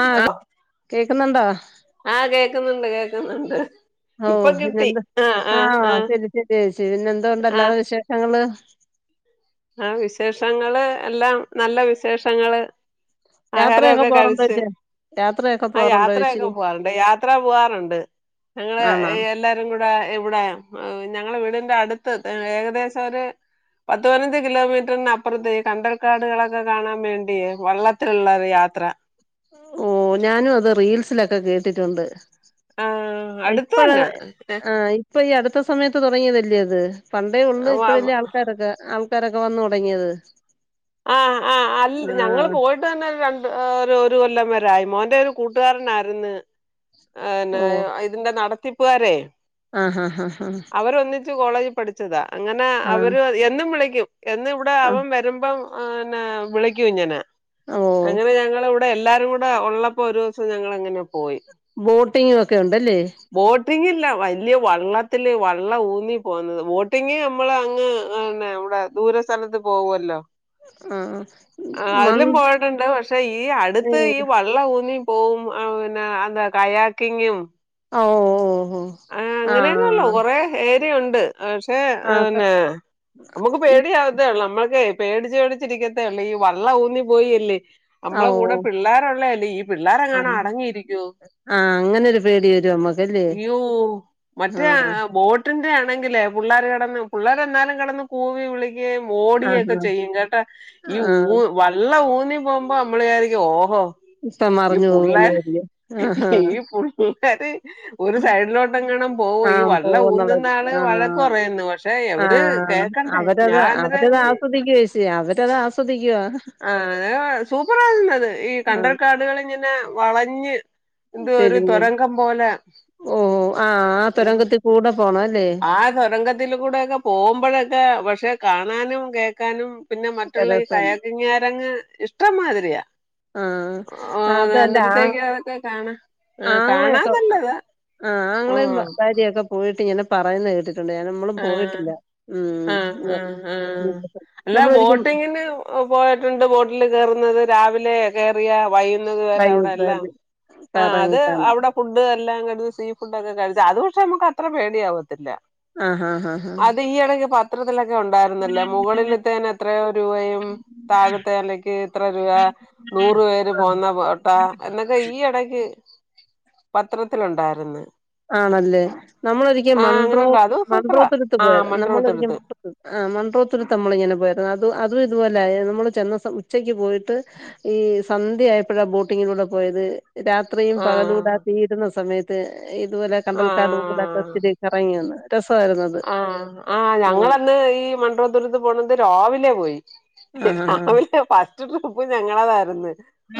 ആ അതെ കേക്കുന്നുണ്ടോ ആ കേക്കുന്നുണ്ട് കേക്കുന്നുണ്ട് ഓ ഇപ്പൊ കിട്ടി പിന്നെന്ത് ആഹ് ആ ആഹ് ആഹ് ശരി ശരി ചേച്ചി പിന്നെ എന്തോ ഉണ്ട് ആല്ലാതെ വിശേഷങ്ങള് ആ വിശേഷങ്ങള് എല്ലാം നല്ല വിശേഷങ്ങള് ആഹാര യാത്രയൊക്കെ ഓക്കെ പോറുണ്ടോ കഴിച്ച് ചേച്ചി യാത്രയൊക്കെ ആ പോറുണ്ടോ ചേച്ചി യാത്രയൊക്കെ പോവാറുണ്ട് യാത്ര പോവാറുണ്ട് ഞങ്ങള് ആണോ എല്ലാരും കൂടി ഇപ്പ ഇവിടെ ഞങ്ങളെ വീടിന്റെ അടുത്ത് ഏകദേശം ഒര് പത്തുപതിനഞ്ച് കിലോമീറ്ററിന് അപ്പുറത്ത് കണ്ടൽക്കാടുകളൊക്കെ കാണാൻ വേണ്ടിയെ വള്ളത്തിലുള്ളൊരു യാത്ര ഓ ഞാനും അത് റീൽസിലൊക്കെ കേട്ടിട്ടുണ്ട് ആഹ് ആ അടുത്ത് തന്നെ ഇപ്പളാത് ആയി ഇപ്പൊ ഈ അടുത്ത സമയത്ത് തുടങ്ങിയതല്ലിയോ ഇത് പണ്ടേ ഉള്ളൂ ഇപ്പഴല്ലേ ആൾക്കാരൊക്കെ ആൾക്കാരൊക്കെ വന്നു തുടങ്ങിയത് ആ ആ ആല്ല് ഞങ്ങള് ആഹ് പോയി ട്ടന്നെ രണ്ട് ഓ ഒരു കൊല്ലം വരായി മോന്റെ ഒരു കൂട്ടുകാരനാരുന്നു ആ എന്നാ ഓ ഇതിന്റെ നടത്തിപ്പുകാരേ ആഹ് ഹാ ഹാ ഹാ അവരൊന്നിച്ച് കോളേജി പഠിച്ചതാ അങ്ങനെ ആഹ് അവര് എന്നും വിളിക്കും എന്നും ഇവിടെ ആഹ് അവൻ വരുമ്പം ആന്നെ വിളിക്കും ഇങ്ങനെ ഓ അങ്ങനെ ഞങ്ങളി ഇവിടെ എല്ലാരു കൂടെ ഒള്ളപ്പോ ഒരു ദിവസം ഞങ്ങളങ്ങനെ പോയി ബോട്ടിങ്ങും ഒക്കെ ഉണ്ടല്ലേ ബോട്ടിങ്ങില്ല വലിയ വള്ളത്തില് വള്ളം ഊന്നി പോകുന്നത് ബോട്ടിങ്ങ് നമ്മള് അങ്ങ് ആന്നെ ഇവിടെ ദൂര സ്ഥലത്ത് പോവ്വല്ലോ ആഹ് ആഹ് ആഹ് മൺ അതിലും പോയിട്ടുണ്ട് പക്ഷെ ഈ അടുത്ത് ഏഹ് ഈ വള്ളം ഊന്നി പോവും പിന്നെ എന്താ കയാക്കിങ്ങും ആഹ് ഓ ഓ ഓ ആഹ് അങ്ങനെയെന്നുള്ളൂ ആഹ് കൊറെ ഏരിയയുണ്ട് പക്ഷേ ആഹ് പിന്നെ നമുക്ക് പേടിയാവത്തേള്ളൂ നമ്മൾക്കെ പേടിച്ചു പേടിച്ചിരിക്കത്തേയുള്ളൂ ഈ വള്ള ഊന്നി പോയിയല്ലേ നമ്മളെ കൂടെ പിള്ളേരുള്ളയല്ലേ ആം ആഹ് അങ്ങനൊരു പേടി വരും നമ്മക്ക് ഇയ്യോ മറ്റേ ബോ ട്ടിന്റെ ആണെങ്കിലേ പുള്ളേർ കെടന്ന് പിള്ളേരെല്ലാരും കെടന്ന് കൂവി വിളിക്കുകയും ഓടിയൊക്കെ ആഹ് ചെയ്യും കേട്ടാ ഈ ഊ ആഹ് വള്ളം ഊന്നി പോകുമ്പോ നമ്മളു വിചാരിക്കും ഓഹോ ഇപ്പം ഈ മറിഞ്ഞു പുള്ളാര് പോകുന്നരിക്കും ആഹാ ഈ പുള്ളാര് ഒരു സൈഡിലോട്ട് എങ്ങാനും പോവ്വോ ഈ ആഹ് വെള്ളം പോവുന്നുള്ള ഊന്നുന്നാള് വഴക്ക് ആഹ് പറയുന്നു പക്ഷെ ഇവര് കേ ആഹ് അവരത് അവരത് ആസ്വദിക്കുവാ ചേച്ചി അവരത് ആസ്വദിക്കുവാ ആഹ് സൂപ്പറായിരുന്നത് ഈ ആഹ് കണ്ടൽക്കാടുകളിങ്ങനെ വളഞ്ഞ് എന്തുവോരു തിരിഞ്ഞ് തുരങ്കം പോലെ ഓ ആഹ് ആഹ് തുരങ്കത്തി കൂടെ പോണ ആഹ് തുരങ്കത്തിലുക്കൂടെയൊക്കെ പോകുമ്പോഴൊക്കെ പക്ഷെ കാണാനും കേക്കാനും പിന്നെ മറ്റുള്ള ഈ രസം കയാക്കിങ്ങാരങ്ങ് ഇഷ്ടമാതിരിയാ ആഹ് അതന്റെ ആ അതൊക്കെ കാണാ ആഹ് കാണാൻ ആങ്ങളെയൊക്കെ നല്ലതാ. ആഹ് ആങ്ങളെയും ഉം ഭാര്യയൊക്കെ പോയിട്ട് ഇങ്ങനെ പറയുന്നത് കേട്ടിട്ടുണ്ട് ഞാൻ നമ്മളും ആഹ് പോയിട്ടില്ല ആഹ് ഉം ആഹ് ഹാ അല്ല നമ്മളൊരിക്കും ബോട്ടിങ്ങിന് പോയിട്ടുണ്ട് ബോട്ടിൽ കേറുന്നത് രാവിലെ കേറിയ വൈ [unintelligible] അവിടെല്ലാം ആഹ് കറങ്ങി അത് കാണാം അവിടെ ഫുഡ് എല്ലാം കഴു സീ ഫുഡ്ക്കെ കഴിച്ചു അത്പക്ഷെ നമുക്ക് അത്ര പേടിയവത്തില്ല. ആ ആഹ് ആഹ് ആഹ് അത് ഈ ഇടയ്ക്ക് പത്രത്തിലൊക്കെ ഉണ്ടായിരുന്നല്ലേ മുകളിലത്തേ - - എത്ര രൂപയും താഴത്തേലക്ക് ഇത്ര രൂപ നൂറ് പേര് പോന്ന പോട്ടാ എന്നൊക്കെ ഈ ഇടക്ക് പത്രത്തിലുണ്ടായിന്ന് ആണല്ലേ നമ്മളരിക്കും മൺോ അങ്ങനെണ്ടോ അത് സൂപ്പറാ മൺറോത്തിടുത്ത് ആഹ് പോയത് നമ്മളരിക്കും മൺട്രോത്തുരുത്ത് ആ് മണ്ഡോത്തിൽ തമ്മളിങ്ങനെ പോയരുന്നു അത് അതും ഇതുപോലെ നമ്മള് ചെന്ന ഉച്ചക്ക് പോയിട്ട് ഈ സന്ധ്യയപ്പോഴാ ബോട്ടിങ്ങിലൂടെ പോയത് രാത് അത്രയും ആഹ് പകലൂടാക്കീയിരുന്ന സമയത്ത് ഇതുപോലെ കണ്ടൽക്കാട് ആഹ ഒത്തിരി കറങ്ങി വന്ന് രസമായിരുന്നു അത് ആഹ ആഹ ആഹ് ഞങ്ങന്ന് ഈ മണ്ടപത്തൂർ പോണത് രാവിലെ പോയി ആഹ് ആഹ് രാവിലെ പോയി ഫസ്റ്റ് ട്രിപ്പ് ഞങ്ങളതായിരുന്നു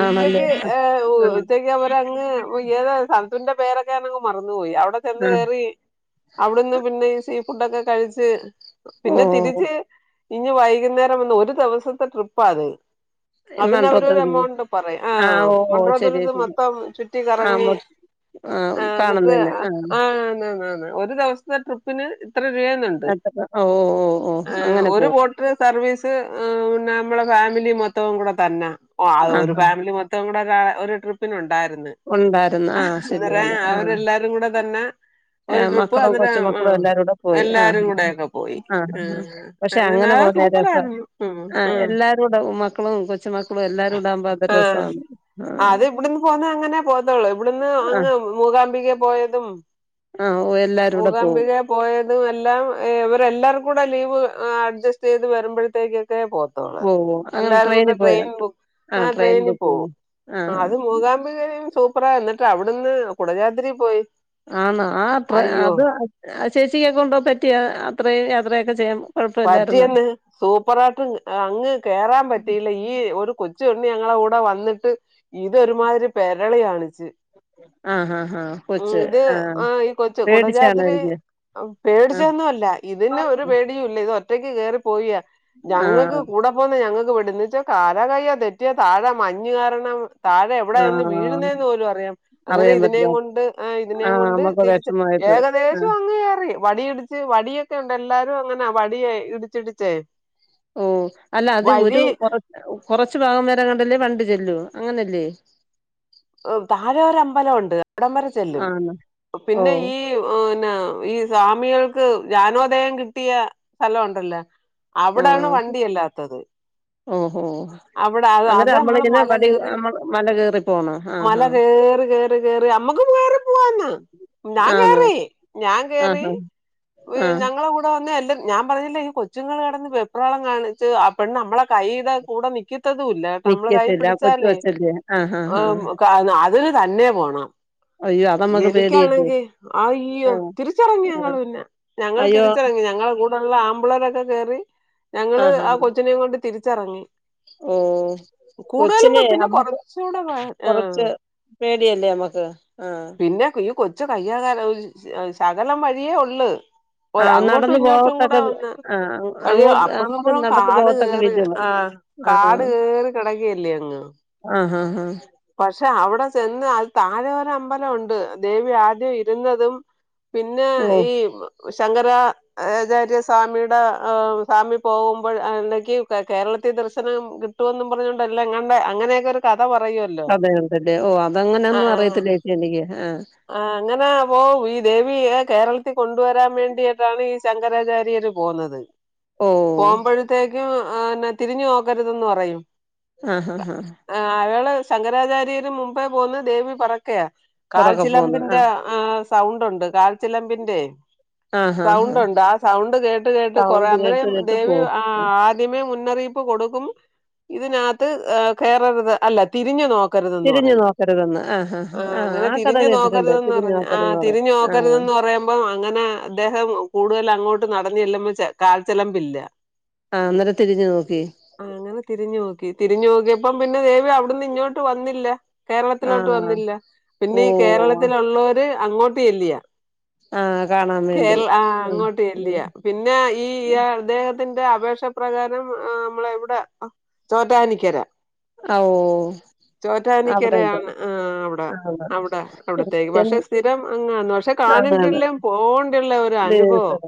ആണല്ലേ ഉച്ചക്ക് ഏ ആഹ് ഉച്ചക്ക് അങ്ങ് ഏതാ ന്റെ പേരൊക്കെ ഞാനങ് മറന്ന് പോയി അവിടെ ചെന്ന് ആഹ് കയറി അവിടുന്ന് പിന്നെ ഈ സീ ഫുഡൊക്കെ കഴിച്ച് പിന്നെ ഓഹ് തിരിച്ച് ഇനി വൈകുന്നേരം വന്ന് ഒരു ദിവസത്തെ ട്രിപ്പാാണ് അതിന് അവരൊരു മൺപാത്രത്തില് എമൗണ്ട് പറയാ ആ് ആഹ് ഓഹ് ഓഹ് മണ്ടോ ശരിയാ ദുരത്ത് ശരിയാ മൊത്തം ചുറ്റി ആഹ് കറങ്ങി മൊ ആഹ് ആ എന്നിട്ട് കാണുന്നതന്നെ ആഹ് ആ ഒരു ദിവസത്തെ ട്രിപ്പിന് ഇത്ര രൂപ എന്നുണ്ട് അത്ര ഓഹ് ഓഹ് ഓഹ് എ അങ്ങനെ ഒരു പോവും ബോട്ട് ഇത്രയും സർവീസ് നമ്മുടെ ഫാമിലി മൊത്തവും കൂടെ തന്നെ ഒരു ആഹ് ആഹ് ഫാമിലി മൊ മൊത്തവും കൂടെ ഒരു ട്രിപ്പിനുണ്ടായിരുന്നു ഉണ്ടായിരുന്നു ആ ശരിയാണ് ആ എല്ലാരും കൂടെ തന്നെ ഒരു ട്രിപ്പ് മക്കളും അന്നരം ആ കൊച്ചുമക്കളും എല്ലാരൂടെ പോയി എല്ലാരും ആഹ് കൂടെ ഒക്കെ പോയി ആഹ് ആ ആഹ് പക്ഷെ അങ്ങനാ അങ്ങനെ പോകുന്നയാ സൂപ്പർ രസം ആയിരുന്നു ഉം ഉം [unintelligible] മക്കളും കൊച്ചുമക്കളും എല്ലാരും ഇണ്ടാവുമ്പോ അത് ഒര് ആ രസമാണ്. അത് ഇവിടുന്ന് പോകുന്നെ അങ്ങനെ പോത്തള്ളൂ ഇവിടുന്ന് ആഹ് അങ്ങ് മൂകാംമ്പികേ പോയതും ആഹ് എല്ലാരൂടെ പോവും മൂകാംമ്പികേ പോയതും എല്ലാം ഏഹ് ഇവരെല്ലാവരും കൂടെ ലീവ് ഏഹ് അഡ്ജസ്റ്റ് ചെയ്ത് വരുമ്പഴത്തേക്കൊക്കെ പോവ ത്തൊള്ളു പോവും അങ്ങനെ എല്ലാരും കൂടെ ട്രെയിനിൽ പോയോ ട്രെയിൻ ബുക്ക് ആഹ് ട്രെയിൻ ട്രെയിനി ബുക്ക് പോകും ചെയ്തോ ആഹ് ആഹ് അത് മുകാ മ്പികയും സൂപ്പറാ എന്നിട്ട് അവിടുന്ന് കുടജാദ്രി പോയി ആണോ ആഹ് ട്രെ അയ്യോ അത് ചേച്ചിയൊക്കെ കൊണ്ടോ പറ്റിയാ അത്രയും യാത്രയൊക്കെ ചെയ്യാ പറ്റിയെന്ന് സൂപ്പറായിട്ടും അങ്ങ് കേറാൻ പറ്റിയില്ല ഇ ഈ ഒരു കൊച്ചു പെണ്ണ് ഞങ്ങളെ കൂടെ വന്നിട്ട് ഇതൊരുമാതിരി പെരളി കാണിച്ച്. ആ ഹാ ഹാ ഉം കൊച്ച് ഇത് ആ ഈ കൊച്ച് കുടജാദ്രി പേടിച്ചാണായിരിക്കും ആ പേടിച്ചൊന്നും അല്ല ഇതിന് ഒരു പേ ഇല്ല ഇത് ഒറ്റക്ക് കേറി പോയിയാ ആ ഞങ്ങക്ക് കൂടെ ടെപ്പോന്ന ഞങ്ങക്ക് പേടി എന്ന് വെച്ചാ കാലാ കയ്യോ തെറ്റിയാ താഴെ മഞ്ഞ് കാരണം താഴെ എവിടാ ആ ചെന്ന് വീഴുന്നേന്ന് പോലും അറിയാ അങ്ങനെ അറിയാൻ ഇതിനേം പറ്റില്ല കൊണ്ട് ആഹ് ആ ഇതിനേം കൊണ്ട് നമുക്ക് തിരിച്ച് വിഷമായിപ്പോയി ആ ഏകദേശവും അങ്ങ് കേറി വടി ഇടിച്ച് വടിയൊക്കെണ്ട് എല്ലാരും അങ്ങനാ വടിയെ ഇടിച്ചിടിച്ചേ. ഓഹ് അല്ല അത് ഒരു വഴി കൊറ കൊറച്ച് ഭാഗം വരെങ്ങാണ്ടല്ലേ വണ്ടി ചെല്ലൂ അങ്ങനല്ലേ. ഓഹ് താഴെ ഒര് അമ്പലവൊണ്ട് അവിടം വരെ ചെല്ലും ആണ് ഓ പിന്നെ ഈ ഏഹ് ന്നെ ഈ സ്വാമികൾക്ക് ജ്ഞാനോദയം കിട്ടിയ സ്ഥലം ഒണ്ടല്ലോ? അവിടാണ് വണ്ടി ചെല്ലാത്തത്. ഓഹ് ഓഹ് അവിടെ അത് അത് നമ്മള് മല കേറി മല കയറി പോണോ ആ മല ഹാ കേറി കേറി കേറി കേറി അമ്മക്ക് കേറി പോവാന്ന് ഞാൻ ആണോ കേറി ഞാൻ ആ കേറി ഹാ വി ആ ഞങ്ങളെ കൂട് വന്ന് എൻ്റെ ഞാൻ പറഞ്ഞില്ലേ ഈ കൊച്ചുങ്ങൾ കെടന്ന് വെപ്രാളം കാണിച്ച് ആ പെണ്ണ് നമ്മളെ കൈയിടെ കൂടെ നിക്കത്തതു ഇല്ലാ കേട്ടാ നമ്മള് കൈ നിക്കത്തില്ല ആ കൊച്ചു പിടിച്ചാലേ കൊച്ചല്ലേ ആഹ് ആഹ് ആഹ് ക അ അത് തന്നെ പോണം അയ്യോ അത് നമ്മക്ക് പേടിയല്ലേ എനിക്കാണെങ്കിൽ ആ അയ്യോ ആഹ് തിരിച്ചെറങ്ങി ആഹ് ഞങ്ങള് പിന്നെ ഞങ്ങൾ അയ്യോ തിരിച്ചെറങ്ങി ഞങ്ങളെ കൂടെ ആമ്പ്ള്ളേരൊക്കെ കേറി ഞങ്ങള് ആഹ് ആ ആഹ് കൊച്ചിനെ കൊണ്ട് തിരിച്ചെറങ്ങി ഓ കൊച്ചിനെ പിന്നെ നമ്മക്ക് കുറച്ചുകൂടെ കൊറച്ച് പേടിയല്ലേ നമ്മക്ക് ആഹ് പിന്നെ ഈ കൊച്ച് ച്ചിൻ്റെ കയ്യോ കാലോ ശ് ശകലം വഴിയേ ഒള്ള് ഓ ആഹ് അങ്ങോട്ടും നടന്നു ഇങ്ങോട്ടും പോകത്തക്ക കൂടെ ഒന്ന് ആഹ് വഴി അങ്ങോട്ട് അപ്പറം നമ്മക്ക് ഇപ്പറം നടന്നു കാട് പോകത്തക്ക കയറി വിധം ആഹ് ആഹ് കാട് കേറി കെടക്കല്ലേ അങ്ങ് ആഹ് ആഹ് ആഹ് പക്ഷെ അവിടെ ചെന്ന് അത് താഴെ ഒരമ്പലം ഉണ്ട് ദേവി ആദ്യം ഇരുന്നതും പിന്നെ ഓ ഈ മ് ശങ്കരാ ആചാര്യ സ്വാമിടെ ആഹ് സ്വാമി പോകുമ്പഴ് [unintelligible] കേരളത്തി ദർശനം കിട്ട് കിട്ടുവെന്നും പറഞ്ഞോണ്ടല്ലേ എങ്ങാണ്ട് അങ്ങനെയൊക്കെ ഒരു കഥ പറയുവൽ കഥയൊണ്ടല്ലേ ഓഹ് അത് അങ്ങനെയന്നും അറിയത്തില്ല ചേച്ചി എനിക്ക് ആഹ് ആഹ് അങ്ങനെ പോവും ഈ ദേവിയെ കേരളത്തിൽ കൊണ്ടുവരാൻ വേണ്ടിട്ടാണ് ഈ സ് ശങ്കരാചാര്യര് പോന്നത് ഓ പോകുമ്പഴ് ത്തേക്കു ആഹ് എന്നാ തിരിഞ്ഞു നോക്കരുതെന്ന് പറയും ആഹ് കാ ആഹ് ആഹ് അയാള് ശങ്കരാചാര്യര് മുമ്പേ പോന്നു ദേവി പെറക്കയാ പെറകെ പോ [unintelligible] ൻ്റെ ആഹ് സൗണ്ട് ഉണ്ട് കാര ചിലമ്പിന്റെയെ ആഹ് ആഹ് സൗണ്ടു ആഹ് ഒണ്ട് ആ സൗണ്ട് കേട്ട് കേട്ട് കൊറേ സൗണ്ട് കേട്ട് അന്നേരം കേട്ട് ദേവി പോവും അ ആഹ് ആദ്യമേ മുന്നറിയിപ്പ് കൊടുക്കും ഇതിനാത്ത് ഏഹ് കേറരുത് അല്ല തിരിഞ്ഞു നോക്ക് തിരിഞ്ഞു നോക്കരുതെന്ന് ആഹ് ആഹ് അങ്ങനെ ആ കഥ തിരിഞ്ഞു കേട്ടിട്ടുണ്ട് തിരിഞ്ഞു നോക്കരുതെന്നറിഞ് ആഹ് നോക്കരുതെന്ന് പറയും തിരിഞ്ഞ് ആഹ് നോക്കരുതെന്ന് പറയുമ്പോ അങ്ങനെ അദ്ദേഹം കൂടുതൽ അങ്ങോട്ട് നടന്ന് ചെല്ലുമ്പോ കാൽചെലമ്പില്ല ആന്നരം തിരിഞ്ഞു നോക്കി ആ അങ്ങനെ തിരിഞ്ഞു നോക്കി തിരിഞ്ഞു നോക്കിയപ്പം പിന്നെ ദേവി അവിടുന്ന് ഇങ്ങോട്ട് വന്നില്ല കേരളത്തിലോട്ട് ആഹ് വന്നില്ല പിന്നെ ഈ ഓഹ് കേരളത്തിലുള്ളോര് അങ്ങോട്ട് ചെല്ലിയ ആഹ് കാണാൻ വേണ്ടി കേരള ആഹ് അങ്ങോട്ട് ചെല്ലിയാ പിന്നെ ഈ അദ്ദേഹത്തിന്റെ അപേക്ഷ പ്രകാരം നമ്മളിവടെ ചോറ്റാനിക്കര ആഹ് ഓഹ് അവിടെണ്ട് ചോറ്റാനിക്കരയാണ് ആ അവിടെ ആണ് അവിടത്തേക്ക് പക്ഷെ സ്ഥിരം അങ്ങാണ് പക്ഷെ ഒരു അനുഭവം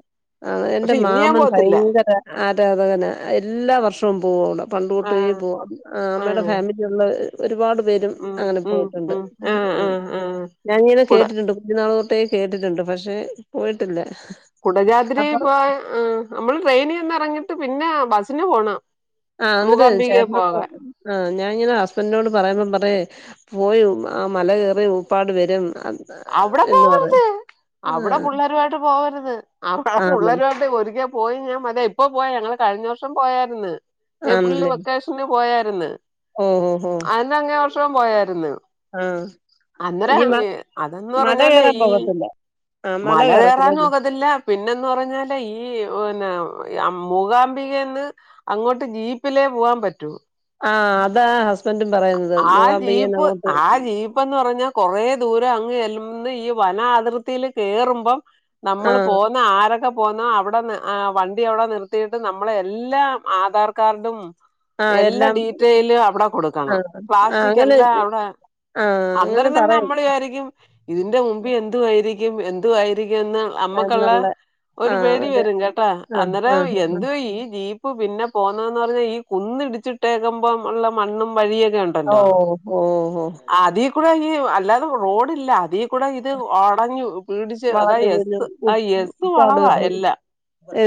ആ എന്റെ പക്ഷെ ഇനി ഞാൻ മാമൻ പോവത്തില്ല ഭയങ്കര ആരാധകനാ എല്ലാ വർഷവും പോവും അവിടെ പണ്ട്തൊട്ടേ ആഹ് പോവാറുണ്ട് അമ്മയുടെ ആഹ് ഫാമിലി ള്ളത് ഒരുപാട് പേരും ഉം അങ്ങനെ ഉം പോയിട്ടുണ്ട് ഉം ആഹ് ആഹ് ആഹ് ഞാനിങ്ങനെ കുട കേട്ടിട്ടുണ്ട് കുഞ് നാള് തൊട്ടേ കേട്ടിട്ടുണ്ട് പക്ഷെ പോയിട്ടില്ല കുടജാതിരി അപ്പൊ പോവാൻ നമ്മള് ട്രെയിനി നിന്ന് ഇറങ്ങിട്ട് പിന്നെ ബസിന് പോണം ആഹ് എന്നിട്ട മൂകാംബികെ ചേട്ടനോട്‌ പോകാൻ ആ ഞാൻങ്ങനെ ഹസ്ബൻറിനോട് പറയുമ്പം പറയും പോയി ആ മല കേറി ഉപ്പാട് വരും അവിടെ എന്ന് പറയും പോവരുത് അവിടെ ആഹ് പിള്ളരുമായിട്ട് പോകരുത് അവിടെ ആന്ന് പുള്ളരുമായിട്ട് ഒരിക്കെ പോയി ഞാൻ മല ഇപ്പോ പോയ ഞാ കഴിഞ്ഞ വർഷം പോയായിരുന്നു ഏപ്രില് ആണല്ലേ വെക്കേഷൻ പോയായിരുന്ന് ഓഹ് ഓഹ് ഓഹ് അതിന്റെ അങ്ങേ വർഷവും പോയായിരുന്നു ആഹ് ഈ നാട്ടി അതന്ന് പറഞ്ഞാലേ ഈ ആഹ് മല കയറാനും കയറത്തില്ലല്ലേ കത്തില്ല പിന്നെന്ന് പറഞ്ഞാല് ഈ പിന്നെ മൂകാംബികേന്ന് അങ്ങോട്ട് ജീപ്പിലേ പോവാൻ പറ്റൂ ആ അതാ ഹസ്ബൻറും പറയുന്നത് മൂകാംമ്പികേന്ന് അങ്ങോട്ട് ഇപ്പൊന്ന് പറഞ്ഞാ കൊറേ ദൂരം അങ്ങ് ചെന്ന് ഈ വന അതിർത്തിൽ കേറുമ്പോൾ നമ്മള് പോ ആഹ് ആരൊക്കെ പോന്ന അവിടെ വണ്ടി അവിടെ നിർത്തിയിട്ട് നമ്മളെ എല്ലാ ആധാർ കാർഡും ഉമ് ആഹ് എല്ലാ എല്ലാം ഡീറ്റൈലും അവിടെ കൊടുക്കണം ആഹ് ആഹ് പ്ലാസ്റ്റിക്ക് അങ്ങനെ എല്ലാം അവിടെ ആഹ് അങ്ങനെ അന്നേരം തന്നെ പറയും നമ്മൾ വിചാ ഇതിന്റെ മുമ്പി എന്തുവാരിക്കും എന്തുവായിരിക്കുന്ന് അമ്മക്കൊള്ള എന്നുള്ള ഒരു പേടി വരും കേട്ടാ ആഹ് അന്നേരം ആഹ് ആഹ് എന്തുവാ ഈ ജീപി പിന്നെ പോന്നെന്ന് പറഞ്ഞാൽ ഈ കുന്നിടിച്ചിട്ടേക്കുമ്പോൾ ഒള്ള മണ്ണും വഴിയൊക്കെ സി ഒണ്ടല്ലോ ഓഹ് ഓഹ് ഓഹ് അതീ കൂടെ ഈ അല്ലാതെ റോഡില്ല അതിൽ കൂടെ ഇത് അടഞ്ഞു പിടിച്ച് അതാ വളഞ്ഞ് തിരിഞ്ഞ് യെസ്സ് ആ യെസ്സ് ഉപ്പാട് വളവാ വരും എല്ലാം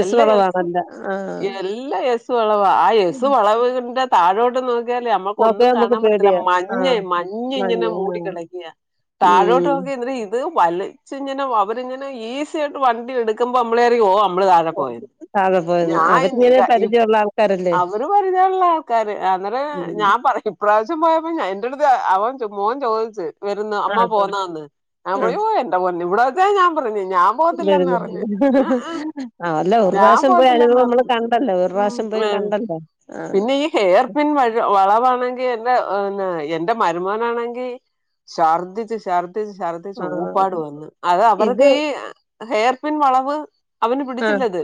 എസ് എല്ലാം യെസ് വളവാണല്ല ആഹ് എല്ലാ യേസു വളവാ ആ യെസു വളവിന്റെ താഴോട്ട് നോക്കിയാല്ല് നമ്മുക്ക് നോക്ക ഒന്നും നമ്മുക്ക് പേടിയാ ആഹ് മഞ്ഞ മഞ്ഞെമഞ്ഞ്ഇങ്ങനെ ആഹ് മൂടിക്കിടക്കുകാ ഉം താഴോട്ടുനോക്കിയാ ഇത് വലിച്ച് ഇങ്ങനെ അവരിങ്ങനെ ഈസി ആയിട്ട് വണ്ടി എടുക്കുമ്പോ നമ്മളറിയും ഓ നമ്മൾ താഴെ പോയന്ന് താഴെ പോയന്ന് ഞാ അവരിങ്ങനെ പരിചയമുള്ള ആൾക്കാരല്ലേ അവര് പറഞ്ഞ്തരില്ല ക്കാര് അന്നേരം ഉം ഞാൻ പറഞ്ഞു ഇപ്രാവിശ്യം പോയപ്പോ എന്റെ അടുത്ത് അവൻ മോൻ ചോദിച്ചു വരുന്നോ അമ്മ ആഹ് പോന്നാന്ന് ഞാൻ ആഹ് പറഞ്ഞു ഓ എന്റെ പൊന്നു ഇവടെ വച്ചേ ഞാൻ പറഞ്ഞ് ഞാൻ പോത്തില്ല വരുന്നുണ്ട് എന്നുപറഞ്ഞു ഉമ് ആഹ് അല്ല ഒരു ഞാൻ പ്രാവശ്യം പോയി പോത്തില്ല എന്നു അനുഭവം നമ്മള് പറഞ്ഞു കണ്ടല്ലോ ഒരു പ്രാവശ്യം പോയി ആഹ് കണ്ടല്ലോ ആഹ് പിന്നെ ഈ ഹെയർ പിൻ വഴ വളവാണെങ്കിൽ എന്റെ മരുമോനാണെങ്കിൽ ശർദിച്ച് ശർദിച്ച് ശർദിച്ച് ദിച്ച് ആഹ് ഉപ്പാട് വന്നു അത് അവർക്ക് ഇത് ഈ ഹെയർ പിൻ വളവ് അവന് ആഹ് പിടിച്ചില്ലത്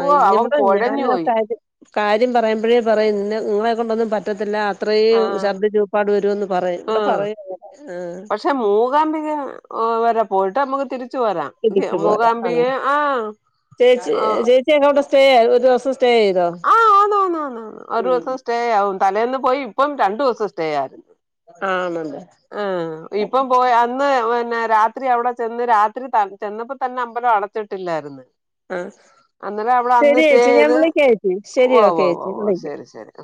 ഓ അവൻ ഇവിടെ ഞാൻ കുഴഞ്ഞു ആ പോയി കാര്യം കാര്യം പറയുമ്പോഴേ പറയും നിന്നെ നിങ്ങളെ കൊണ്ടൊന്നും പറ്റത്തില്ല അത്രയും ആഹ് ഛർദ്ദിച്ചൂപ്പാട് വരുമെന്ന് പറ റയും ഇവിടെ ആഹ് പറയൂന്നൂ ആഹ് ഹ് പക്ഷെ മൂകാംമ്പികം വരെ പോയിട്ട് നമുക്ക് തിരി ച്ചു വരാം ഇടിച്ചു പോരാ ആഹ് മൂകാംമ്പിയെ ആഹ് ചേച്ചി അഹ് [unintelligible] സ്റ്റേ ഒരു ദിവസം സ്റ്റേ ചെയ്തോ ആഹ് ആന്നാന്ന് ആന്ന് ഒരു ഉം ദിവസം സ്റ്റേ ആവും തലേന്ന് പോയി ഇപ്പം രണ്ടു ദിവസം സ്റ്റേ ആയി ആണല്ലേ ആഹ് ഇപ്പം പോയി അന്ന് പിന്നെ രാത്രി അവിടെ ചെന്ന് രാത്രി ചെന്നപ്പോ തന്നെ അമ്പലം അട ച്ചിട്ടില്ലായിരുന്നു ആഹ് അന്നേരം അവിടെ അന്ന് ശരി സ്റ്റേ ചേച്ചി ഞാൻ ചെയ്ത് വിളിക്കാം ചേച്ചി ശരി ഉവ്വാ ഓക്കെ ചേച്ചി ഉവ്വാ വിളിക്കാം ശെരി ശെരി